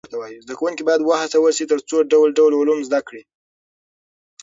زده کوونکي باید و هڅول سي تر څو ډول ډول علوم زده کړي.